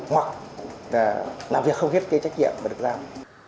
hoặc là làm việc không hết cái trách nhiệm mà được giao